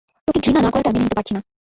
তোকে ঘৃণা না করাটা মেনে নিতে পারছি না।